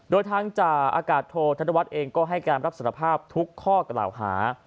โดยทั้งจากอากาศโทรธรรณวัฒน์เองก็ให้การรับสัตวภาพทุกข้อเกล่าหา